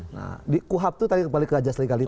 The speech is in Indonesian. nah di kuhap itu terbalik ke gajah seligalitas